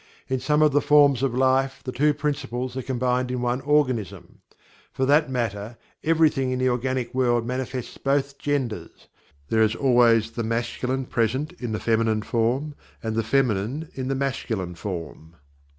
In some of the forms of life, the two principles are combined in one organism. For that matter, everything in the organic world manifests both genders there is always the Masculine present in the Feminine form, and the Feminine form.